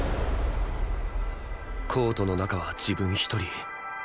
コートの中は自分一人